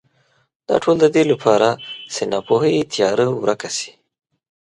دا ټول د دې لپاره چې ناپوهۍ تیاره ورکه شي.